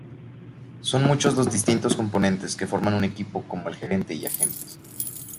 Son muchos los distintos componentes que forman un equipo como el gerente y agentes.